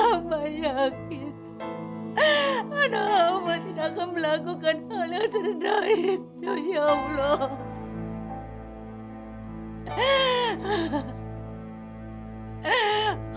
amang yakin anak kamu tidak akan melakukan hal yang serendah itu ya allah